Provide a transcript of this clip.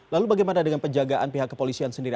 lalu bagaimana dengan penjagaan pihak kepolisian sendiri